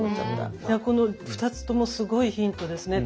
いやこの２つともすごいヒントですね。